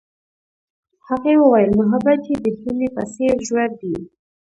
هغې وویل محبت یې د هیلې په څېر ژور دی.